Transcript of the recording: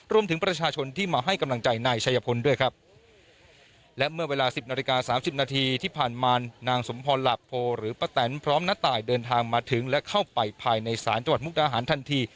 รวมถึงประชาชนที่มาให้กำลังใจนายชัยพลด้วยครับและเมื่อเวลาสิบนาฬิกาสามสิบนาทีที่ผ่านมานางสมพรหลาโพหรือป้าแตนพร้อมณตายเดินทางมาถึงและเข้าไปภายในศาลจังหวัดมุกดาหารทันที